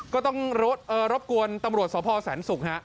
ก็ต้องรบกวนตำรวจสพแสนศุกร์ฮะ